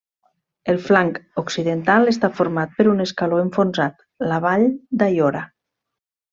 El flanc occidental està format per un escaló enfonsat, la vall d'Aiora.